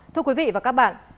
thưa quý vị và các bạn